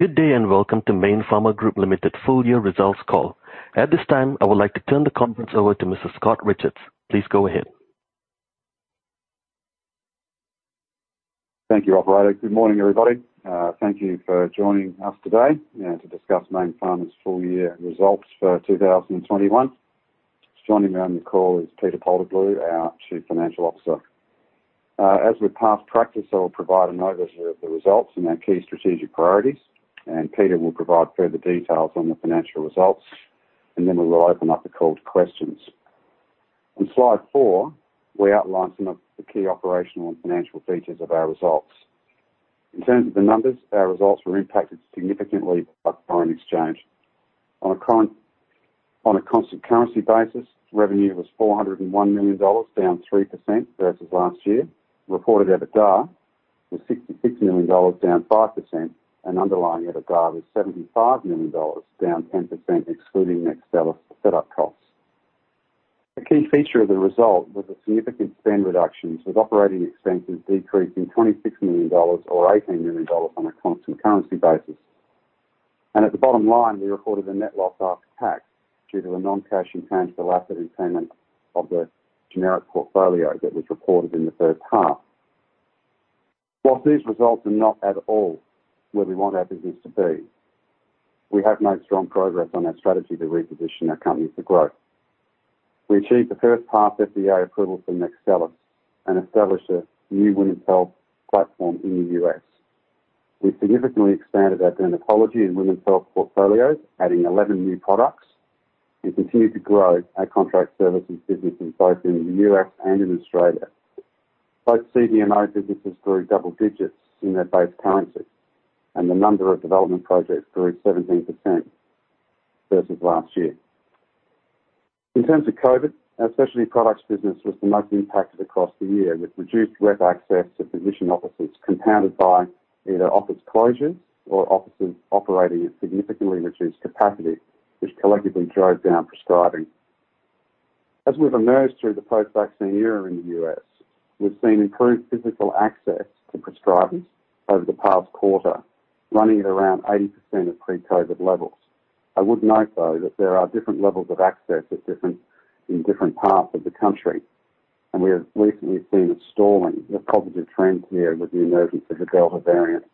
Good day, and welcome to Mayne Pharma Group Limited Full Year Results Call. At this time, I would like to turn the conference over to Mr. Scott Richards. Please go ahead. Thank you, operator. Good morning, everybody. Thank you for joining us today to discuss Mayne Pharma's full year results for 2021. Joining me on the call is Peter Paltoglou, our Chief Financial Officer. As with past practice, I will provide an overview of the results and our key strategic priorities, and Peter will provide further details on the financial results, and then we will open up the call to questions. On slide four, we outline some of the key operational and financial features of our results. In terms of the numbers, our results were impacted significantly by foreign exchange. On a constant currency basis, revenue was $401 million, down 3% versus last year. Reported EBITDA was $66 million, down 5%, and underlying EBITDA was $75 million, down 10%, excluding NEXTSTELLIS set up costs. A key feature of the result was the significant spend reductions, with operating expenses decreasing $26 million, or $18 million on a constant currency basis. At the bottom line, we reported a net loss after tax due to a non-cash impairment to the asset impairment of the generic portfolio that was reported in the first half. While these results are not at all where we want our business to be, we have made strong progress on our strategy to reposition our company for growth. We achieved the first half FDA approval for NEXTSTELLIS and established a new women's health platform in the U.S. We significantly expanded our dermatology and women's health portfolios, adding 11 new products, and continued to grow our contract services business in both the U.S. and in Australia. Both CDMO businesses grew double digits in their base currencies, and the number of development projects grew 17% versus last year. In terms of COVID, our specialty products business was the most impacted across the year, with reduced rep access to physician offices, compounded by either office closures or offices operating at significantly reduced capacity, which collectively drove down prescribing. As we've emerged through the post-vaccine era in the U.S., we've seen improved physical access to prescribers over the past quarter, running at around 80% of pre-COVID levels. I would note, though, that there are different levels of access in different parts of the country, and we have recently seen a stalling of positive trends here with the emergence of the Delta variant.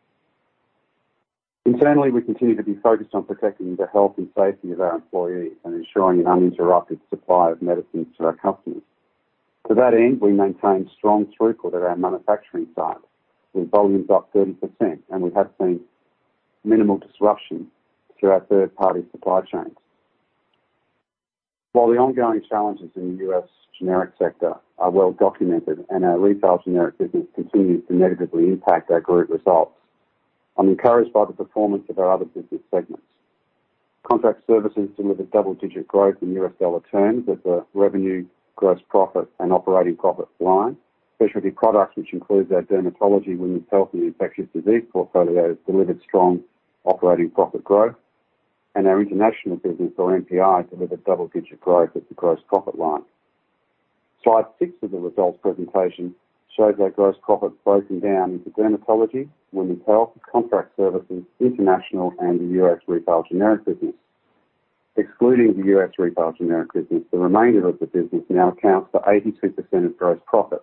Internally, we continue to be focused on protecting the health and safety of our employees and ensuring an uninterrupted supply of medicines to our customers. To that end, we maintain strong throughput at our manufacturing sites, with volumes up 30%, and we have seen minimal disruption through our third-party supply chains. While the ongoing challenges in the U.S. generic sector are well documented and our retail generic business continues to negatively impact our group results, I'm encouraged by the performance of our other business segments. Contract services delivered double-digit growth in U.S. dollar terms at the revenue, gross profit, and operating profit line. Specialty products, which includes our dermatology, women's health, and infectious disease portfolios, delivered strong operating profit growth. Our international business or MPI delivered double-digit growth at the gross profit line. Slide six of the results presentation shows our gross profit broken down into dermatology, women's health, contract services, international, and the U.S. retail generic business. Excluding the U.S. retail generic business, the remainder of the business now accounts for 82% of gross profit,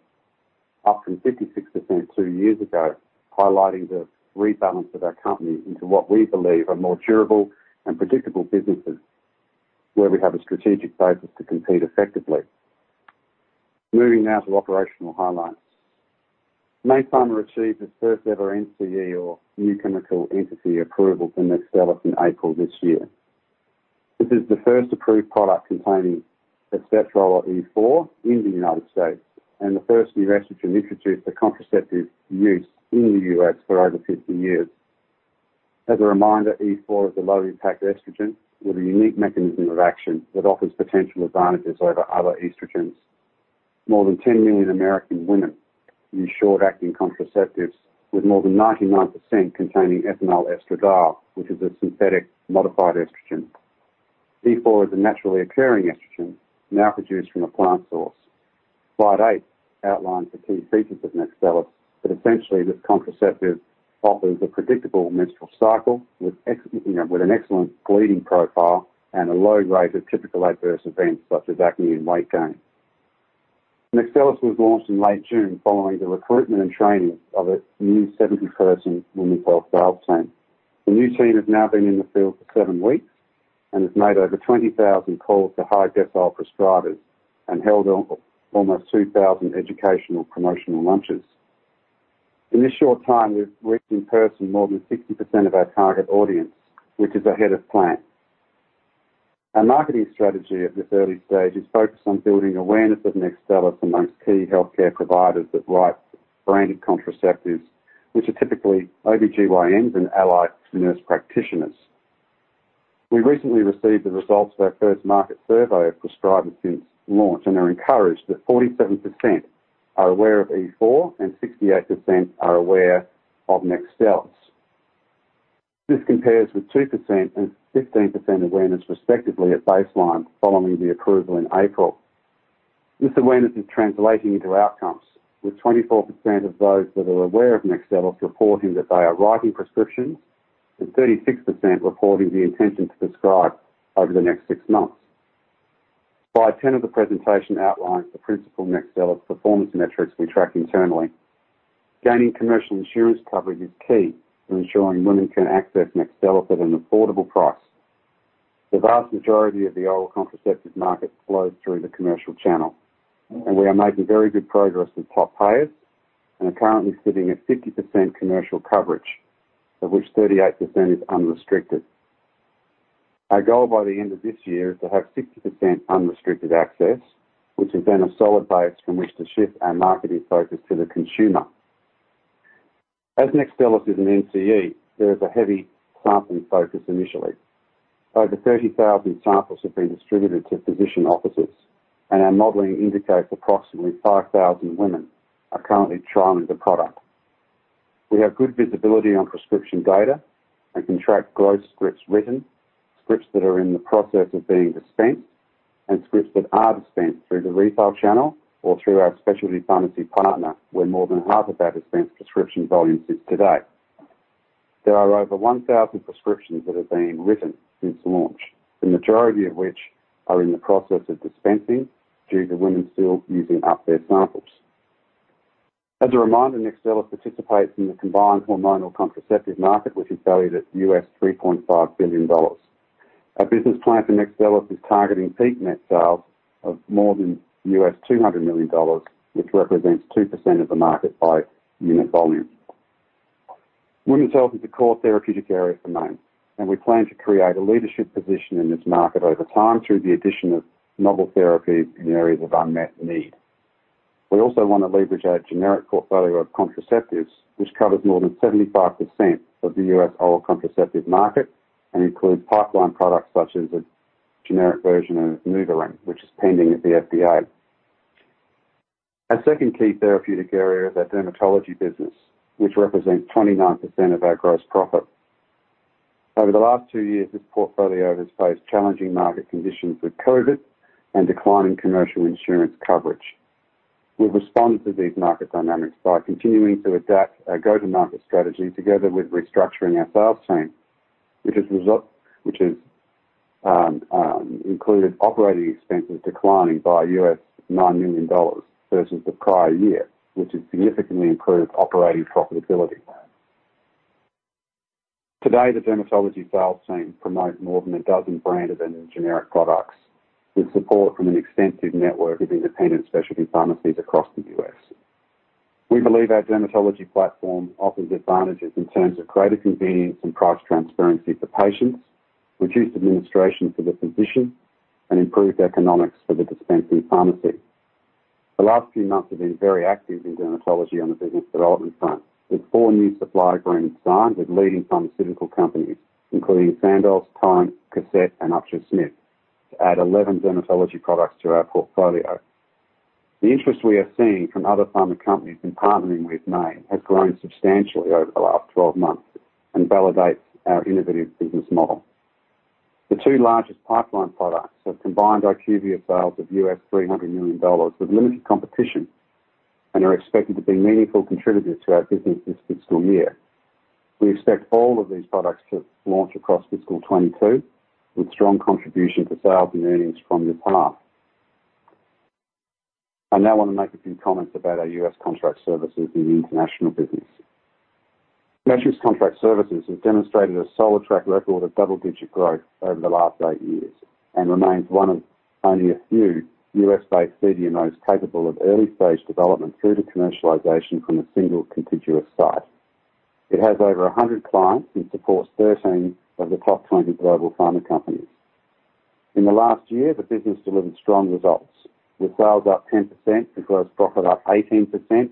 up from 56% two years ago, highlighting the rebalance of our company into what we believe are more durable and predictable businesses, where we have a strategic basis to compete effectively. Moving now to operational highlights. Mayne Pharma achieved its first ever NCE or new chemical entity approval for NEXTSTELLIS in April this year. This is the first approved product containing E4 in the United States and the first new estrogen introduced for contraceptive use in the U.S. for over 50 years. As a reminder, E4 is a low-impact estrogen with a unique mechanism of action that offers potential advantages over other estrogens. More than 10 million American women use short-acting contraceptives, with more than 99% containing ethinyl estradiol, which is a synthetic modified estrogen. E4 is a naturally occurring estrogen now produced from a plant source. Slide eight outlines the key features of NEXTSTELLIS, essentially, this contraceptive offers a predictable menstrual cycle with an excellent bleeding profile and a low rate of typical adverse events such as acne and weight gain. NEXTSTELLIS was launched in late June following the recruitment and training of a new 70-person women's health sales team. The new team has now been in the field for seven weeks and has made over 20,000 calls to high decile prescribers and held almost 2,000 educational promotional lunches. In this short time, we've reached in person more than 60% of our target audience, which is ahead of plan. Our marketing strategy at this early stage is focused on building awareness of NEXTSTELLIS amongst key healthcare providers that write branded contraceptives, which are typically OBGYNs and allied nurse practitioners. We recently received the results of our first market survey of prescribers since launch and are encouraged that 47% are aware of E4 and 68% are aware of NEXTSTELLIS. This compares with 2% and 15% awareness, respectively, at baseline following the approval in April. This awareness is translating into outcomes with 24% of those that are aware of NEXTSTELLIS reporting that they are writing prescriptions, and 36% reporting the intention to prescribe over the next six months. Slide 10 of the presentation outlines the principal NEXTSTELLIS performance Metrics we track internally. Gaining commercial insurance coverage is key in ensuring women can access NEXTSTELLIS at an affordable price. The vast majority of the oral contraceptive market flows through the commercial channel, and we are making very good progress with top payers and are currently sitting at 50% commercial coverage, of which 38% is unrestricted. Our goal by the end of this year is to have 60% unrestricted access, which is then a solid base from which to shift our marketing focus to the consumer. As NEXTSTELLIS is an NCE, there is a heavy sampling focus initially. Over 30,000 samples have been distributed to physician offices, and our modeling indicates approximately 5,000 women are currently trialing the product. We have good visibility on prescription data and can track gross scripts written, scripts that are in the process of being dispensed, and scripts that are dispensed through the retail channel or through our specialty pharmacy partner, where more than half of that dispense prescription volume sits today. There are over 1,000 prescriptions that have been written since launch, the majority of which are in the process of dispensing due to women still using up their samples. As a reminder, NEXTSTELLIS participates in the combined hormonal contraceptive market, which is valued at $3.5 billion. Our business plan for NEXTSTELLIS is targeting peak net sales of more than $200 million, which represents 2% of the market by unit volume. Women's Health is a core therapeutic area for Mayne, and we plan to create a leadership position in this market over time through the addition of novel therapies in areas of unmet need. We also want to leverage our generic portfolio of contraceptives, which covers more than 75% of the U.S. oral contraceptive market and includes pipeline products such as a generic version of NuvaRing, which is pending at the FDA. Our second key therapeutic area is our Dermatology business, which represents 29% of our gross profit. Over the last two years, this portfolio has faced challenging market conditions with COVID and declining commercial insurance coverage. We've responded to these market dynamics by continuing to adapt our go-to-market strategy together with restructuring our sales team, which has included operating expenses declining by $9 million versus the prior year, which has significantly improved operating profitability. Today, the dermatology sales team promotes more than 12 branded and generic products with support from an extensive network of independent specialty pharmacies across the U.S. We believe our dermatology platform offers advantages in terms of greater convenience and price transparency for patients, reduced administration for the physician, and improved economics for the dispensing pharmacy. The last few months have been very active in dermatology on the business development front, with four new supply agreements signed with leading pharmaceutical companies, including Sandoz, Teva, Cosette, and Upsher-Smith, to add 11 dermatology products to our portfolio. The interest we are seeing from other pharma companies in partnering with Mayne has grown substantially over the last 12 months and validates our innovative business model. The two largest pipeline products have combined IQVIA sales of $300 million with limited competition and are expected to be meaningful contributors to our business this fiscal year. We expect all of these products to launch across fiscal 2022 with strong contribution to sales and earnings from the partner. I now want to make a few comments about our U.S. contract services and the international business. Metrics Contract Services has demonstrated a solid track record of double-digit growth over the last eight years and remains one of only a few U.S.-based CDMOs capable of early-stage development through to commercialization from a single contiguous site. It has over 100 clients and supports 13 of the top 20 global pharma companies. In the last year, the business delivered strong results, with sales up 10% and gross profit up 18%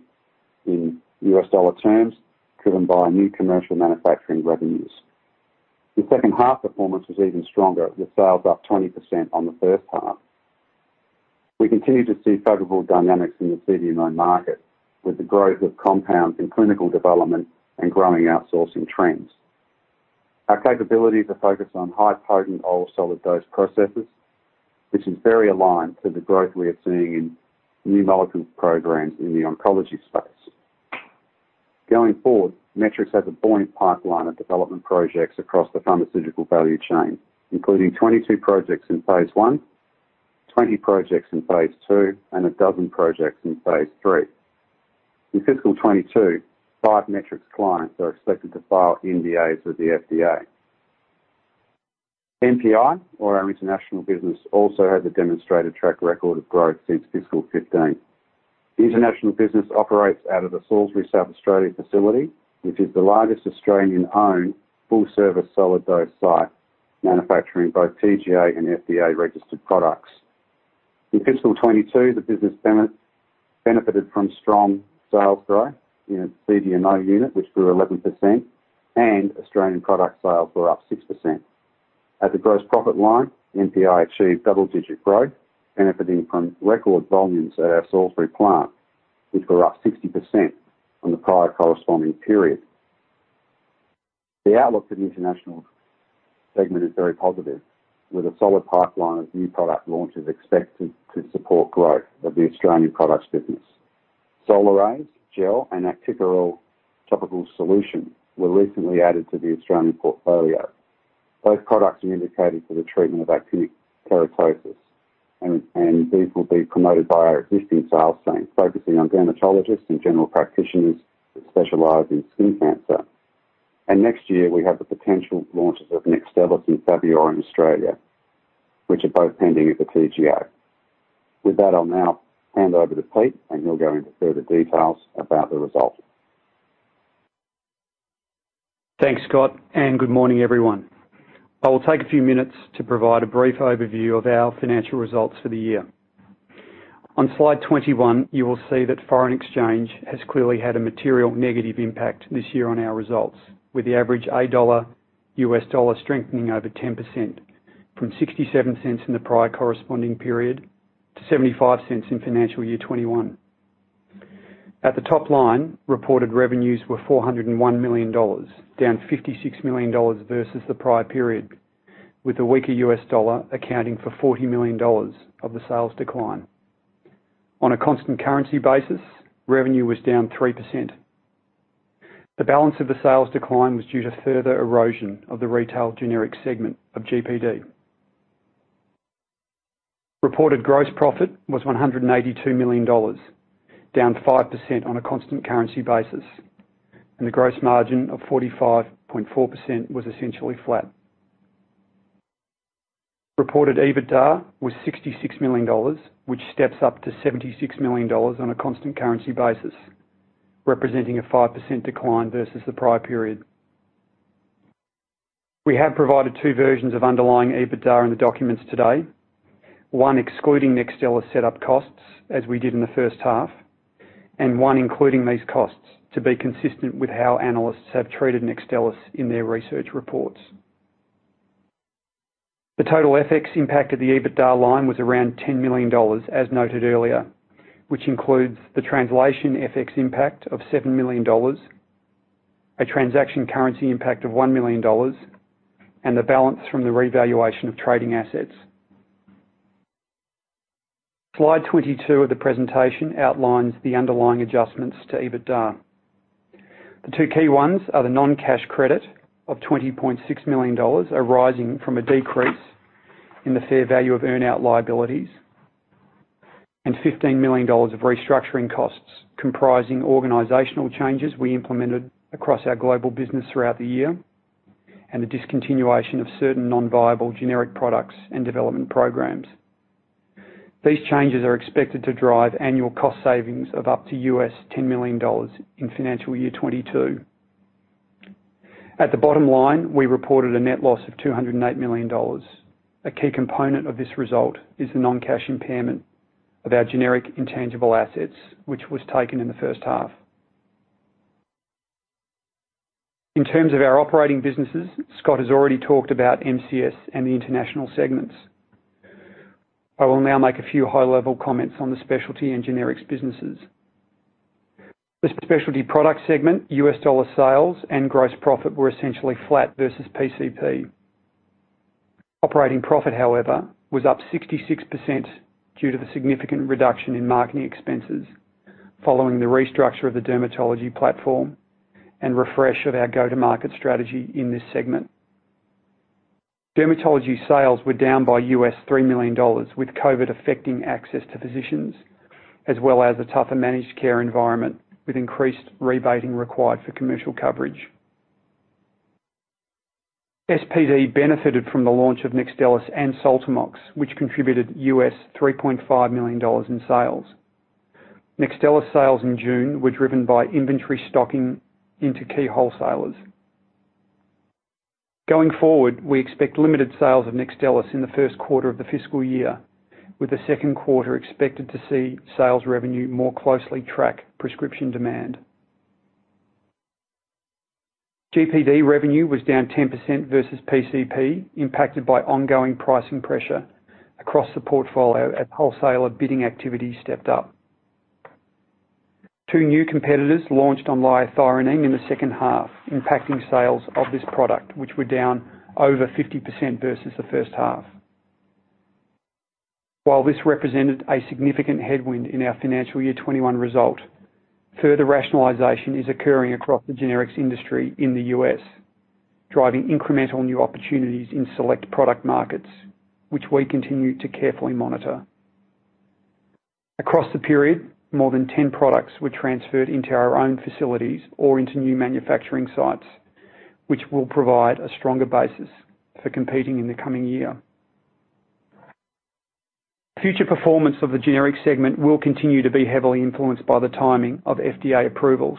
in U.S. dollar terms, driven by new commercial manufacturing revenues. The second half performance was even stronger, with sales up 20% on the first half. We continue to see favorable dynamics in the CDMO market with the growth of compounds in clinical development and growing outsourcing trends. Our capabilities are focused on high-potent oral solid dose processes, which is very aligned to the growth we are seeing in new molecule programs in the oncology space. Going forward, Metrics has a buoyant pipeline of development projects across the pharmaceutical value chain, including 22 projects in phase I, 20 projects in phase II, and a dozen projects in phase III. In FY 2022, five Metrics clients are expected to file NDAs with the FDA. MPI, or our international business, also has a demonstrated track record of growth since fiscal 2015. The international business operates out of the Salisbury, South Australia facility, which is the largest Australian-owned full-service solid dose site, manufacturing both TGA and FDA-registered products. In fiscal 2022, the business benefited from strong sales growth in its CDMO unit, which grew 11%, and Australian product sales were up 6%. At the gross profit line, MPI achieved double-digit growth, benefiting from record volumes at our Salisbury plant, which were up 60% from the prior corresponding period. The outlook for the international segment is very positive, with a solid pipeline of new product launches expected to support growth of the Australian products business. Solaraze gel and Actikerall topical solution were recently added to the Australian portfolio. Both products are indicated for the treatment of actinic keratosis, these will be promoted by our existing sales team, focusing on dermatologists and general practitioners that specialize in skin cancer. Next year, we have the potential launches of NEXTSTELLIS and Fabior in Australia, which are both pending at the TGA. With that, I'll now hand over to Pete, and he'll go into further details about the results. Thanks, Scott, good morning, everyone. I will take a few minutes to provide a brief overview of our financial results for the year. On slide 21, you will see that foreign exchange has clearly had a material negative impact this year on our results, with the average AUD-U.S. dollar strengthening over 10%, from 0.67 in the prior corresponding period to 0.75 in financial year 2021. At the top line, reported revenues were 401 million dollars, down 56 million dollars versus the prior period, with the weaker U.S. dollar accounting for 40 million dollars of the sales decline. On a constant currency basis, revenue was down 3%. The balance of the sales decline was due to further erosion of the retail generics segment of GPD. Reported gross profit was 182 million dollars, down 5% on a constant currency basis, and the gross margin of 45.4% was essentially flat. Reported EBITDA was 66 million dollars, which steps up to 76 million dollars on a constant currency basis, representing a 5% decline versus the prior period. We have provided two versions of underlying EBITDA in the documents today. One excluding NEXTSTELLIS set up costs, as we did in the first half, and one including these costs to be consistent with how analysts have treated NEXTSTELLIS in their research reports. The total FX impact of the EBITDA line was around 10 million dollars, as noted earlier, which includes the translation FX impact of 7 million dollars, a transaction currency impact of 1 million dollars, and the balance from the revaluation of trading assets. Slide 22 of the presentation outlines the underlying adjustments to EBITDA. The two key ones are the non-cash credit of 20.6 million dollars, arising from a decrease in the fair value of earn-out liabilities, and 15 million dollars of restructuring costs comprising organizational changes we implemented across our global business throughout the year, and the discontinuation of certain non-viable generic products and development programs. These changes are expected to drive annual cost savings of up to $10 million in financial year 2022. At the bottom line, we reported a net loss of 208 million dollars. A key component of this result is the non-cash impairment of our generic intangible assets, which was taken in the first half. In terms of our operating businesses, Scott has already talked about MCS and the international segments. I will now make a few high-level comments on the specialty and generics businesses. The specialty product segment, U.S. dollar sales and gross profit were essentially flat versus PCP. Operating profit, however, was up 66% due to the significant reduction in marketing expenses following the restructure of the dermatology platform and refresh of our go-to-market strategy in this segment. Dermatology sales were down by $3 million, with COVID affecting access to physicians, as well as a tougher managed care environment, with increased rebating required for commercial coverage. SPD benefited from the launch of NEXTSTELLIS and SOLTAMOX, which contributed $3.5 million in sales. NEXTSTELLIS sales in June were driven by inventory stocking into key wholesalers. Going forward, we expect limited sales of NEXTSTELLIS in the first quarter of the fiscal year, with the second quarter expected to see sales revenue more closely track prescription demand. GPD revenue was down 10% versus PCP, impacted by ongoing pricing pressure across the portfolio as wholesaler bidding activity stepped up. Two new competitors launched on liothyronine in the second half, impacting sales of this product, which were down over 50% versus the first half. While this represented a significant headwind in our FY 2021 result, further rationalization is occurring across the generics industry in the U.S., driving incremental new opportunities in select product markets, which we continue to carefully monitor. Across the period, more than 10 products were transferred into our own facilities or into new manufacturing sites, which will provide a stronger basis for competing in the coming year. Future performance of the generics segment will continue to be heavily influenced by the timing of FDA approvals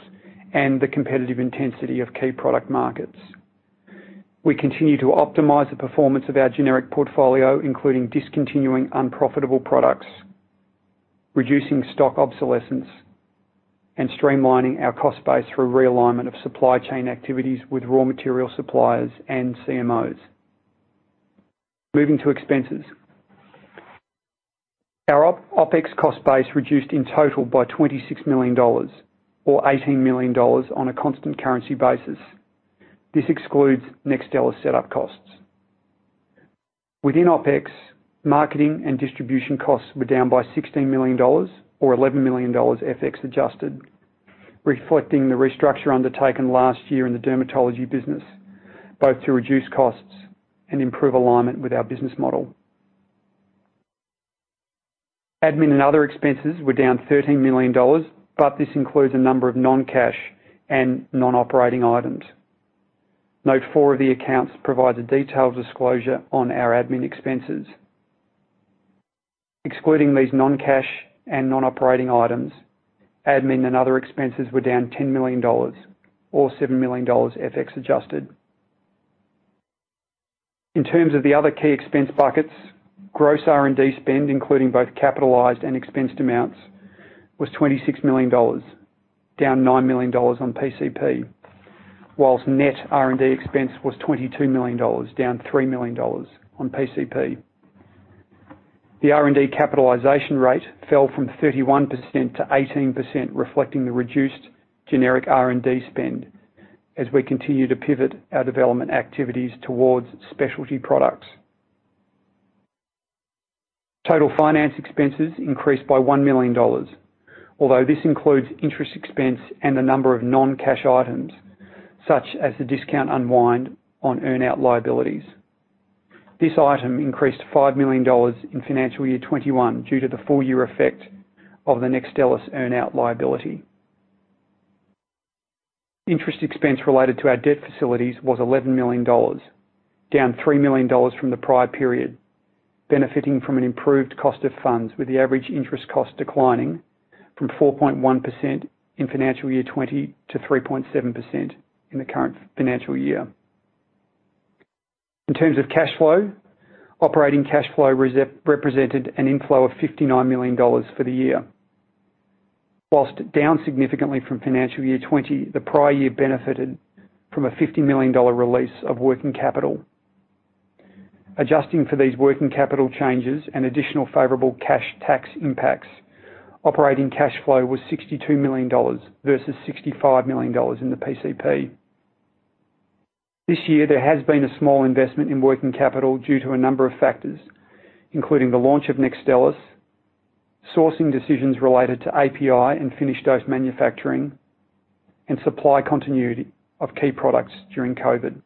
and the competitive intensity of key product markets. We continue to optimize the performance of our generic portfolio, including discontinuing unprofitable products, reducing stock obsolescence, and streamlining our cost base through realignment of supply chain activities with raw material suppliers and CMOs. Moving to expenses. Our OpEx cost base reduced in total by 26 million dollars, or 18 million dollars on a constant currency basis. This excludes NEXTSTELLIS setup costs. Within OpEx, marketing and distribution costs were down by 16 million dollars, or 11 million dollars FX adjusted, reflecting the restructure undertaken last year in the dermatology business, both to reduce costs and improve alignment with our business model. Admin and other expenses were down 13 million dollars, this includes a number of non-cash and non-operating items. Note four of the accounts provides a detailed disclosure on our admin expenses. Excluding these non-cash and non-operating items, admin and other expenses were down 10 million dollars or 7 million dollars FX adjusted. In terms of the other key expense buckets, gross R&D spend, including both capitalized and expensed amounts, was 26 million dollars, down 9 million dollars on PCP, whilst net R&D expense was 22 million dollars, down 3 million dollars on PCP. The R&D capitalization rate fell from 31% to 18%, reflecting the reduced generic R&D spend as we continue to pivot our development activities towards specialty products. Total finance expenses increased by 1 million dollars, although this includes interest expense and a number of non-cash items, such as the discount unwind on earn-out liabilities. This item increased to 5 million dollars in financial year 2021 due to the full-year effect of the NEXTSTELLIS earn-out liability. Interest expense related to our debt facilities was 11 million dollars, down 3 million dollars from the prior period, benefiting from an improved cost of funds, with the average interest cost declining from 4.1% in financial year 2020 to 3.7% in the current financial year. In terms of cash flow, operating cash flow represented an inflow of 59 million dollars for the year. Down significantly from financial year 2020, the prior year benefited from a 50 million dollar release of working capital. Adjusting for these working capital changes and additional favorable cash tax impacts, operating cash flow was 62 million dollars versus 65 million dollars in the PCP. This year, there has been a small investment in working capital due to a number of factors, including the launch of NEXTSTELLIS, sourcing decisions related to API and finished dose manufacturing, and supply continuity of key products during COVID.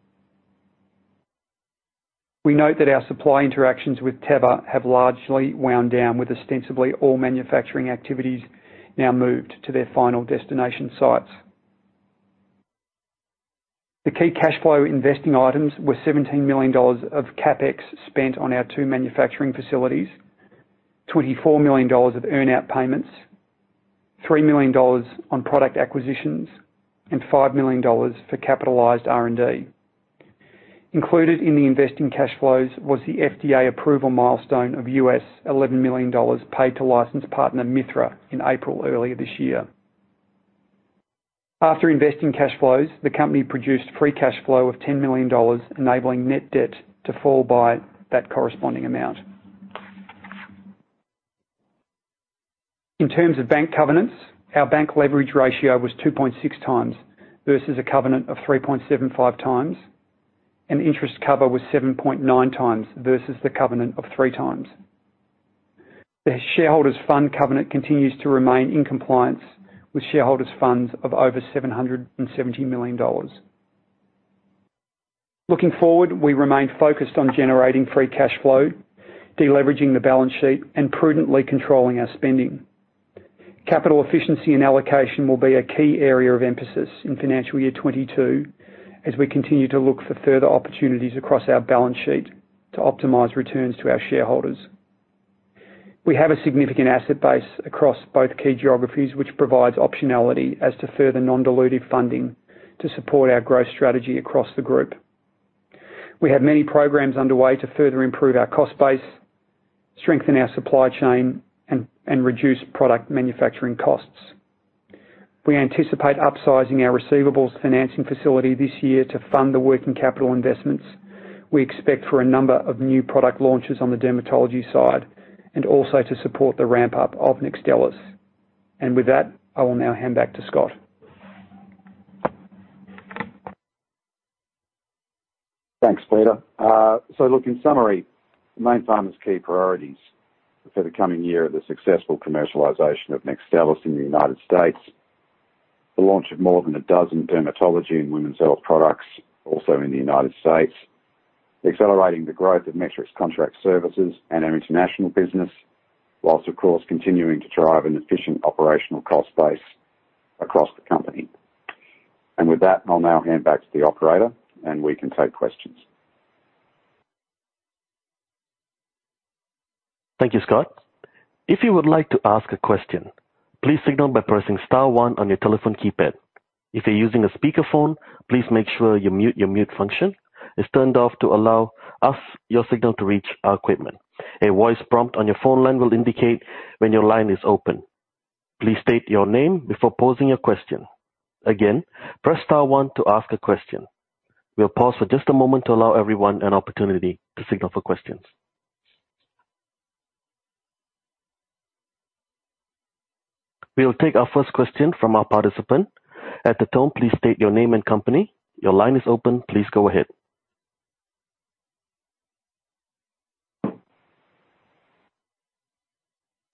We note that our supply interactions with Teva have largely wound down, with ostensibly all manufacturing activities now moved to their final destination sites. The key cash flow investing items were 17 million dollars of CapEx spent on our two manufacturing facilities, 24 million dollars of earn-out payments, 3 million dollars on product acquisitions, and 5 million dollars for capitalized R&D. Included in the investing cash flows was the FDA approval milestone of $11 million paid to licensed partner Mithra in April earlier this year. After investing cash flows, the company produced free cash flow of 10 million dollars, enabling net debt to fall by that corresponding amount. In terms of bank covenants, our bank leverage ratio was 2.6x versus a covenant of 3.75x, and interest cover was 7.9x versus the covenant of 3x. The shareholders' fund covenant continues to remain in compliance with shareholders' funds of over 770 million dollars. Looking forward, we remain focused on generating free cash flow, de-leveraging the balance sheet, and prudently controlling our spending. Capital efficiency and allocation will be a key area of emphasis in financial year 2022 as we continue to look for further opportunities across our balance sheet to optimize returns to our shareholders. We have a significant asset base across both key geographies, which provides optionality as to further non-dilutive funding to support our growth strategy across the group. We have many programs underway to further improve our cost base, strengthen our supply chain, and reduce product manufacturing costs. We anticipate upsizing our receivables financing facility this year to fund the working capital investments we expect for a number of new product launches on the dermatology side and also to support the ramp-up of NEXTSTELLIS. With that, I will now hand back to Scott. Thanks, Peter. Look, in summary, Mayne Pharma's key priorities for the coming year are the successful commercialization of NEXTSTELLIS in the United States, the launch of more than 12 dermatology and women's health products also in the United States, accelerating the growth of Metrics Contract Services and our international business, whilst of course, continuing to drive an efficient operational cost base across the company. With that, I'll now hand back to the operator and we can take questions. Thank you, Scott. If you would like to ask a question, please signal by pressing star one on your telephone keypad. If you're using a speakerphone, please make sure your mute function is turned off to allow us your signal to reach our equipment. A voice prompt on your phone line will indicate when your line is open. Please state your name before posing your question. Again, press star one to ask a question. We'll pause for just a moment to allow everyone an opportunity to signal for questions. We'll take our first question from our participant.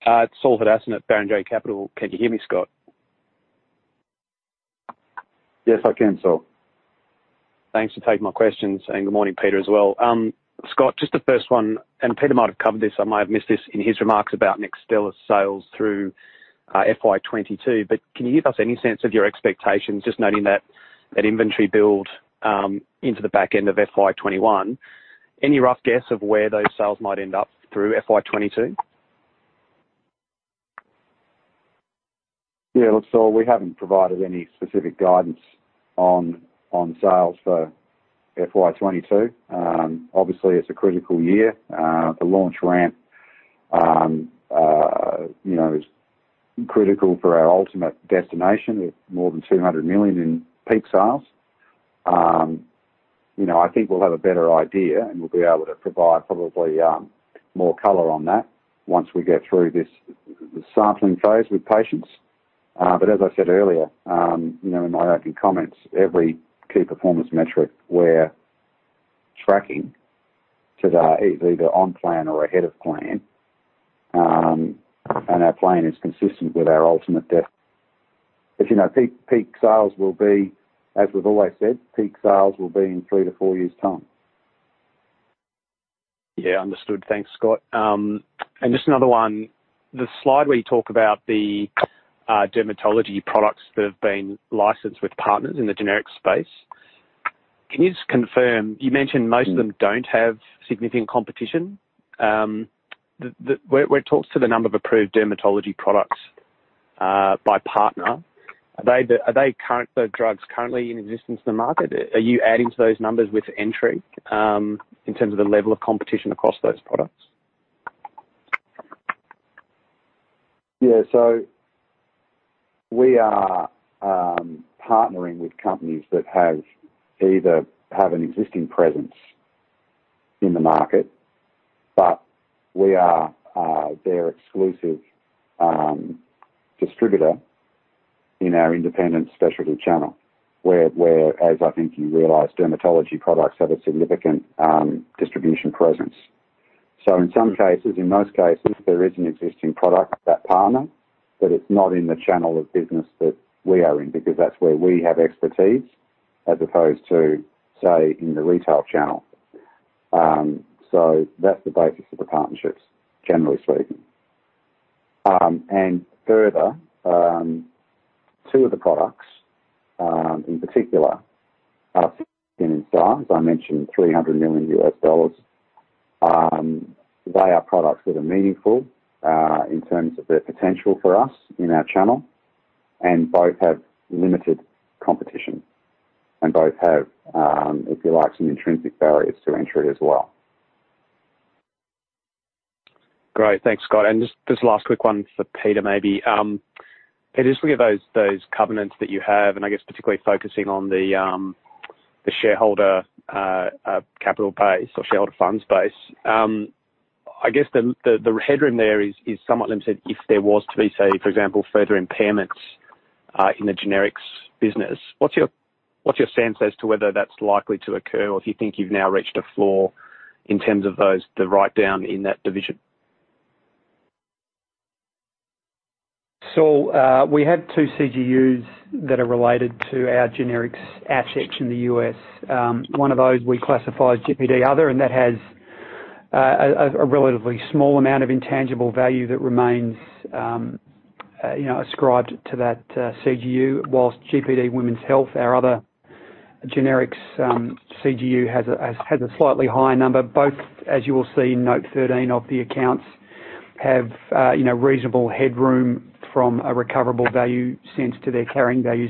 It's Saul Hadassin at Barrenjoey. Can you hear me, Scott? Yes, I can, Saul. Thanks for taking my questions, and good morning, Peter as well. Scott, just the first one, and Peter might have covered this, I might have missed this in his remarks about NEXTSTELLIS sales through FY 2022. Can you give us any sense of your expectations, just noting that inventory build into the back end of FY 2021? Any rough guess of where those sales might end up through FY 2022? Yeah. Look, Saul Hadassin, we haven't provided any specific guidance on sales for FY 2022. Obviously, it's a critical year. The launch ramp is critical for our ultimate destination of more than 200 million in peak sales. I think we'll have a better idea, and we'll be able to provide probably more color on that once we get through this sampling phase with patients. As I said earlier, in my opening comments, every key performance metric we're tracking today is either on plan or ahead of plan. Our plan is consistent with our ultimate. Peak sales will be, as we've always said, peak sales will be in three to four years' time. Yeah. Understood. Thanks, Scott. Just another one. The slide where you talk about the dermatology products that have been licensed with partners in the generics space. Can you just confirm, you mentioned most of them don't have significant competition. Where it talks to the number of approved dermatology products, by partner, are they current drugs currently in existence in the market? Are you adding to those numbers with entry, in terms of the level of competition across those products? Yeah. We are partnering with companies that either have an existing presence in the market. We are their exclusive distributor in our independent specialty channel, where as I think you realize, dermatology products have a significant distribution presence. In some cases, in most cases, there is an existing product with that partner, but it's not in the channel of business that we are in, because that's where we have expertise, as opposed to, say, in the retail channel. That's the basis of the partnerships, generally speaking. Further, two of the products, in particular, are as I mentioned, $300 million. They are products that are meaningful, in terms of their potential for us in our channel, and both have limited competition. Both have, if you like, some intrinsic barriers to entry as well. Great. Thanks, Scott. Just this last quick one for Peter, maybe. Peter, just looking at those covenants that you have, and I guess particularly focusing on the shareholder capital base or shareholder funds base. I guess the headroom there is somewhat limited, if there was to be, say, for example, further impairments in the generics business. What's your sense as to whether that's likely to occur or if you think you've now reached a floor in terms of the write-down in that division? Saul, we have two CGUs that are related to our generics assets in the U.S. One of those we classify as GPD Other, and that has a relatively small amount of intangible value that remains ascribed to that CGU, while GPD Women's Health, our other generics CGU has a slightly higher number. Both, as you will see in Note 13 of the accounts, have reasonable headroom from a recoverable value sense to their carrying value.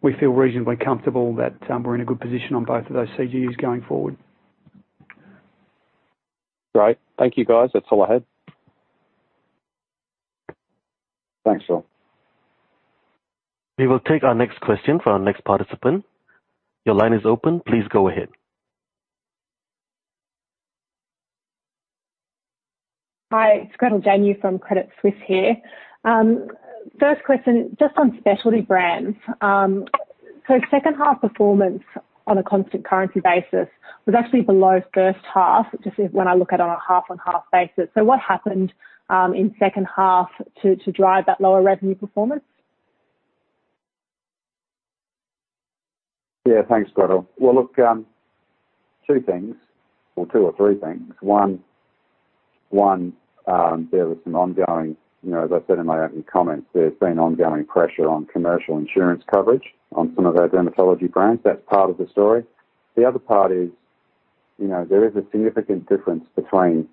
We feel reasonably comfortable that we're in a good position on both of those CGUs going forward. Great. Thank you, guys. That's all I had. Thanks, Saul. We will take our next question from our next participant. Your line is open. Please go ahead. Hi, it's Gretel Janu from Credit Suisse here. First question, just on specialty brands. Second half performance on a constant currency basis was actually below first half, just when I look at it on a half-on-half basis. What happened in second half to drive that lower revenue performance? Yeah. Thanks, Gretel. Well, look, two things, or two or three things. One, there was some ongoing, as I said in my opening comments, there's been ongoing pressure on commercial insurance coverage on some of our dermatology brands. That's part of the story. The other part is, there is a significant difference between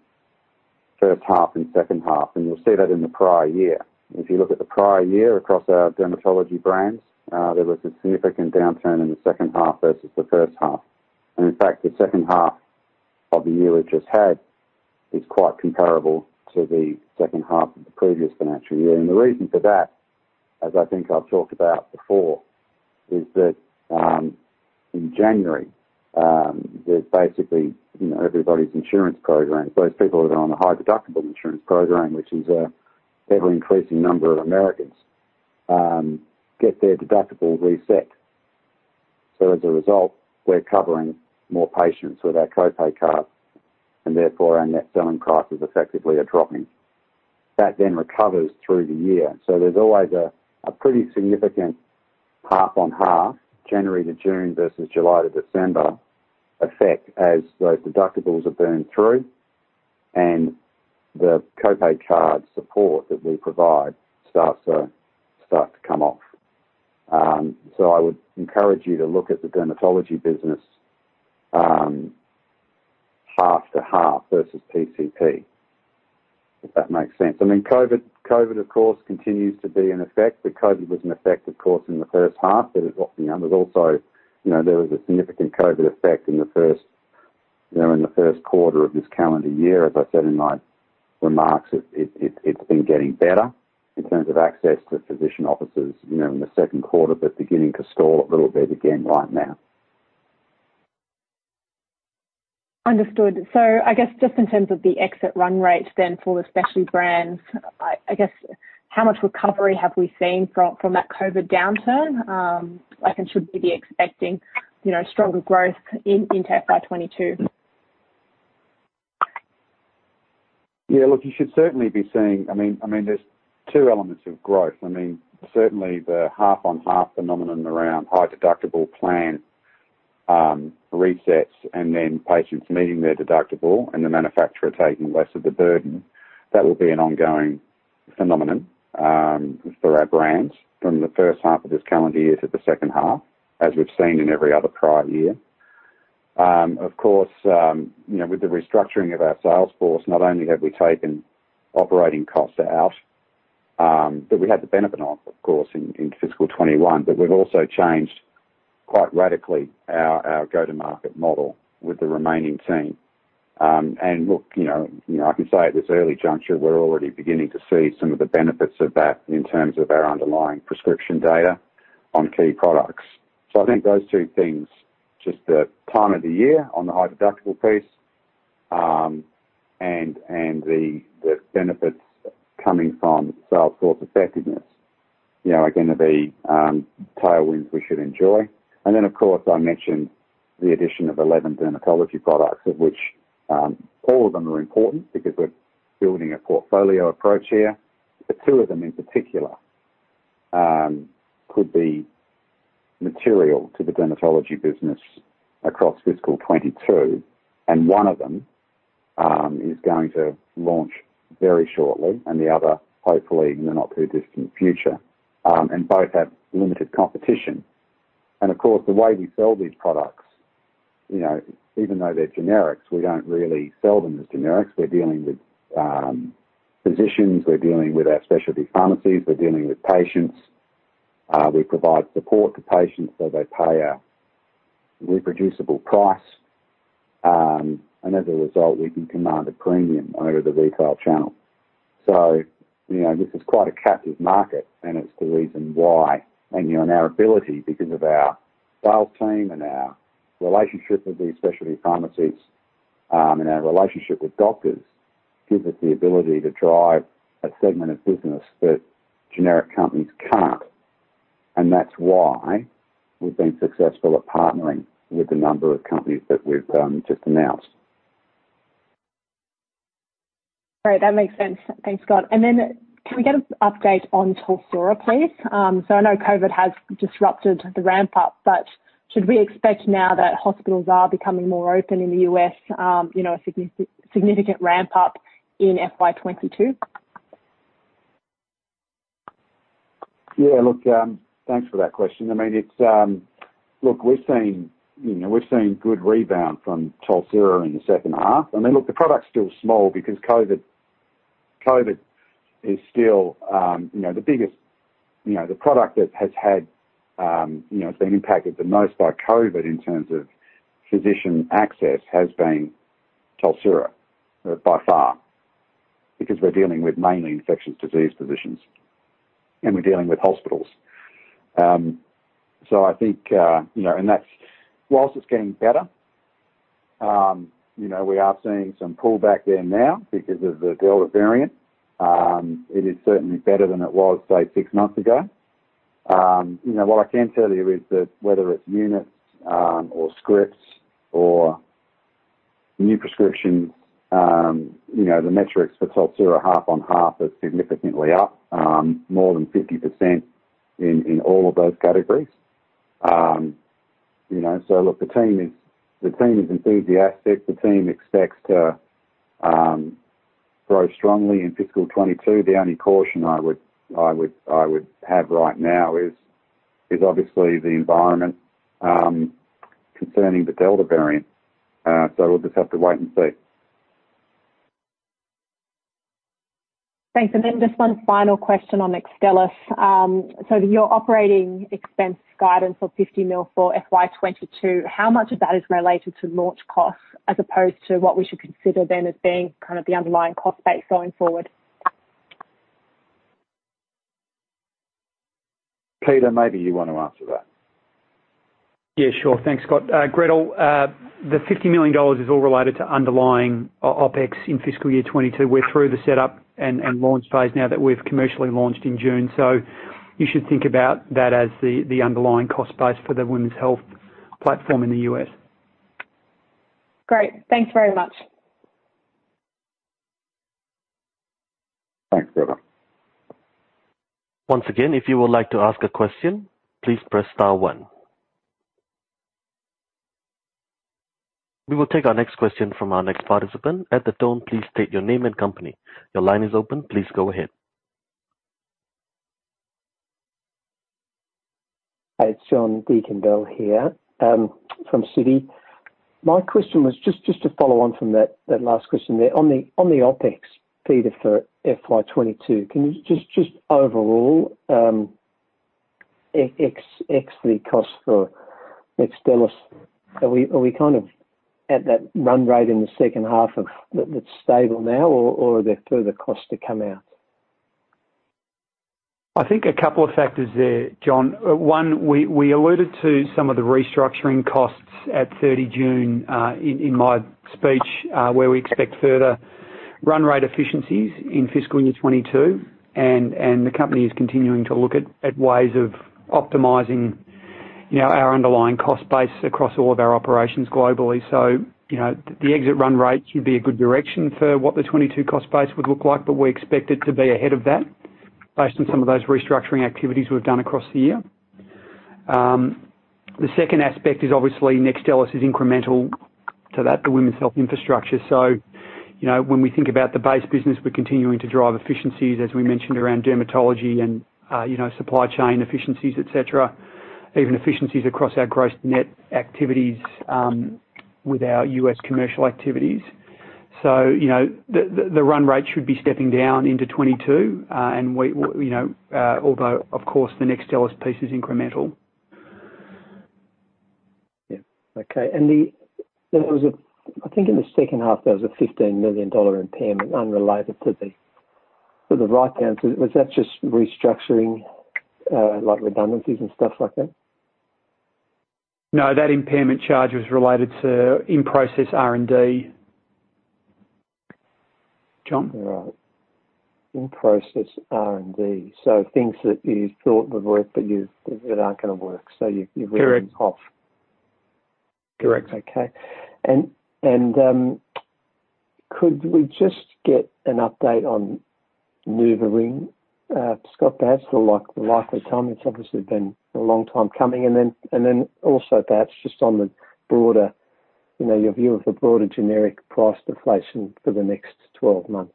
first half and second half, and you'll see that in the prior year. If you look at the prior year across our dermatology brands, there was a significant downturn in the second half versus the first half. In fact, the second half of the year we've just had is quite comparable to the second half of the previous financial year. The reason for that, as I think I've talked about before, is that in January, there's basically everybody's insurance program. Those people that are on a high deductible insurance program, which is an ever-increasing number of Americans, get their deductible reset. As a result, we're covering more patients with our co-pay card, and therefore, our net selling price is effectively a dropping. That then recovers through the year. There's always a pretty significant half-on-half, January to June versus July to December effect as those deductibles are burned through, and the co-pay card support that we provide starts to come off. I would encourage you to look at the dermatology business half-to-half versus PCP, if that makes sense. COVID, of course, continues to be in effect. COVID was in effect, of course, in the first half. There was a significant COVID effect in the first quarter of this calendar year. As I said in my remarks, it's been getting better in terms of access to physician offices in the second quarter, but beginning to stall a little bit again right now. Understood. I guess just in terms of the exit run rate then for the specialty brands, I guess, how much recovery have we seen from that COVID downturn? Like, should we be expecting stronger growth in FY 2022? Yeah, look, you should certainly be seeing. There's two elements of growth. Certainly, the half-on-half phenomenon around high deductible plan resets and then patients meeting their deductible and the manufacturer taking less of the burden. That will be an ongoing phenomenon for our brands from the first half of this calendar year to the second half, as we've seen in every other prior year. Of course, with the restructuring of our sales force, not only have we taken operating costs out, that we had the benefit of course, in FY 2021, but we've also changed quite radically our go-to-market model with the remaining team. Look, I can say at this early juncture, we're already beginning to see some of the benefits of that in terms of our underlying prescription data on key products. I think those two things, just the time of the year on the high deductible piece, and the benefits coming from sales force effectiveness, are going to be tailwinds we should enjoy. Then, of course, I mentioned the addition of 11 dermatology products, of which all of them are important because we're building a portfolio approach here. Two of them in particular could be material to the dermatology business across fiscal 2022, and one of them is going to launch very shortly, and the other, hopefully, in the not-too-distant future. Both have limited competition. Of course, the way we sell these products, even though they're generics, we don't really sell them as generics. We're dealing with physicians, we're dealing with our specialty pharmacies, we're dealing with patients. We provide support to patients, so they pay a reproducible price. As a result, we can command a premium over the retail channel. This is quite a captive market, and it's the reason why. Our ability, because of our sales team and our relationship with these specialty pharmacies, and our relationship with doctors, gives us the ability to drive a segment of business that generic companies can't. That's why we've been successful at partnering with the number of companies that we've just announced. Great. That makes sense. Thanks, Scott. Can we get an update on TOLSURA, please? I know COVID has disrupted the ramp-up, but should we expect now that hospitals are becoming more open in the U.S., a significant ramp-up in FY 2022? Yeah. Look, thanks for that question. We're seeing good rebound from TOLSURA in the second half. Then, look, the product's still small because COVID is still the biggest. The product that has been impacted the most by COVID in terms of physician access has been TOLSURA, by far. Because we're dealing with mainly infectious disease physicians, and we're dealing with hospitals. I think whilst it's getting better, we are seeing some pullback there now because of the Delta variant. It is certainly better than it was, say, six months ago. What I can tell you is that whether it's units or scripts or new prescriptions, the Metrics for TOLSURA half-on-half are significantly up, more than 50% in all of those categories. Look, the team is enthusiastic. The team expects to grow strongly in fiscal 2022. The only caution I would have right now is obviously the environment concerning the Delta variant. We'll just have to wait and see. Thanks. Just one final question on NEXTSTELLIS. Your operating expense guidance of 50 million for FY 2022, how much of that is related to launch costs as opposed to what we should consider then as being kind of the underlying cost base going forward? Peter, maybe you want to answer that. Yeah, sure. Thanks, Scott. Gretel, the 50 million dollars is all related to underlying OpEx in FY 2022. We're through the setup and launch phase now that we've commercially launched in June. You should think about that as the underlying cost base for the women's health platform in the U.S. Great. Thanks very much. Thanks, Gretel. Once again, if you would like to ask a question, please press star one. We will take our next question from our next participant. At the tone, please state your name and company. Your line is open. Please go ahead. Hi, it's John Deakin-Bell here from Citi. My question was just to follow on from that last question there. On the OpEx, Peter, for FY 2022, can you just overall, ex the cost for NEXTSTELLIS, are we kind of at that run rate in the second half that's stable now, or are there further costs to come out? I think a couple of factors there, John Deakin-Bell. One, we alluded to some of the restructuring costs at 30 June, in my speech, where we expect further run rate efficiencies in FY 2022, and the company is continuing to look at ways of optimizing our underlying cost base across all of our operations globally. The exit run rates would be a good direction for what the 2022 cost base would look like, but we expect it to be ahead of that based on some of those restructuring activities we've done across the year. The second aspect is obviously NEXTSTELLIS is incremental to that, the women's health infrastructure. When we think about the base business, we're continuing to drive efficiencies, as we mentioned, around dermatology and supply chain efficiencies, et cetera. Even efficiencies across our gross net activities, with our U.S. commercial activities. The run rate should be stepping down into 2022, although of course the NEXTSTELLIS piece is incremental. Yeah. Okay. I think in the second half, there was an 15 million dollar impairment unrelated to the write down. Was that just restructuring, like redundancies and stuff like that? No, that impairment charge was related to in-process R&D. John? All right. In-process R&D. Things that you thought would work, but that aren't going to work, so you've written it off. Correct. Okay. Could we just get an update on NuvaRing, Scott, the likely time? It's obviously been a long time coming. Then also, that just on your view of the broader generic price deflation for the next 12 months.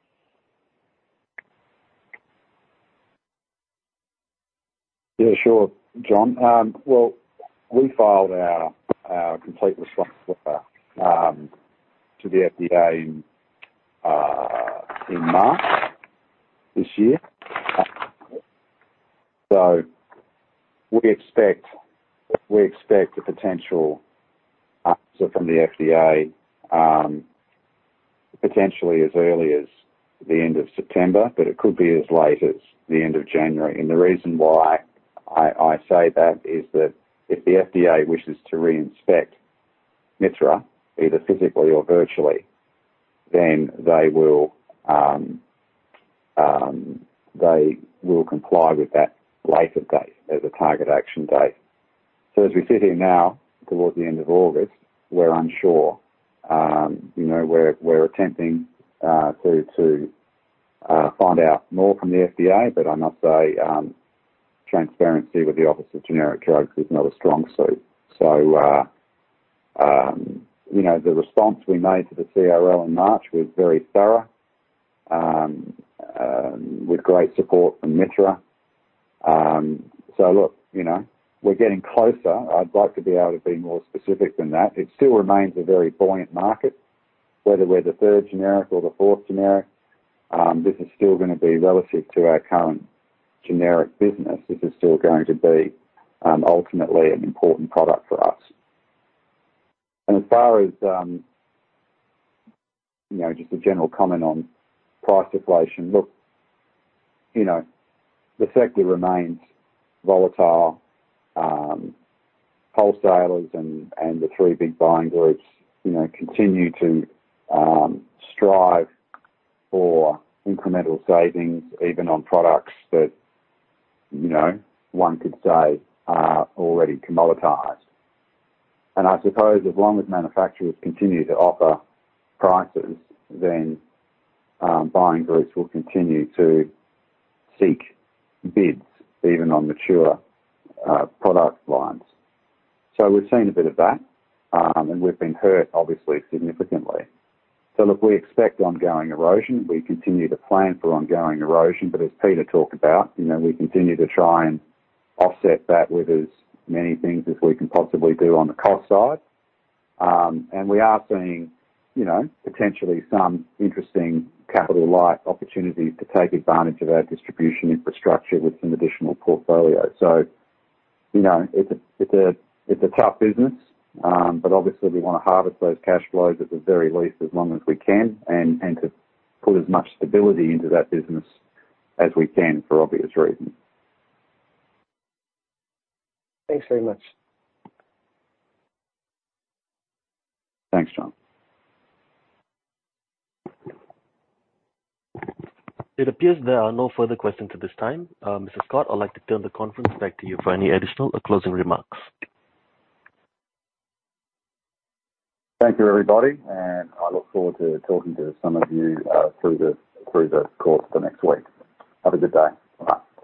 Yeah, sure, John. Well, we filed our complete response to the FDA in March this year. We expect a potential answer from the FDA, potentially as early as the end of September, but it could be as late as the end of January. The reason why I say that is that if the FDA wishes to re-inspect Mithra, either physically or virtually, then they will comply with that later date as a target action date. As we sit here now towards the end of August, we're unsure. We're attempting to find out more from the FDA, but I must say, transparency with the Office of Generic Drugs is not a strong suit. The response we made to the CRL in March was very thorough, with great support from Mithra. Look, we're getting closer. I'd like to be able to be more specific than that. It still remains a very buoyant market, whether we're the third generic or the fourth generic. This is still going to be relative to our current generic business. This is still going to be ultimately an important product for us. As far as just a general comment on price deflation, look, the sector remains volatile. Wholesalers and the three big buying groups continue to strive for incremental savings, even on products that one could say are already commoditized. I suppose as long as manufacturers continue to offer prices, then buying groups will continue to seek bids, even on mature product lines. We've seen a bit of that, and we've been hurt, obviously, significantly. Look, we expect ongoing erosion. We continue to plan for ongoing erosion. As Peter talked about, we continue to try and offset that with as many things as we can possibly do on the cost side. We are seeing potentially some interesting capital-light opportunities to take advantage of our distribution infrastructure with some additional portfolio. It's a tough business. Obviously we want to harvest those cash flows at the very least as long as we can and to put as much stability into that business as we can for obvious reasons. Thanks very much. Thanks, John. It appears there are no further questions at this time. Mr. Scott, I'd like to turn the conference back to you for any additional or closing remarks. Thank you, everybody, and I look forward to talking to some of you through the course of the next week. Have a good day. Bye.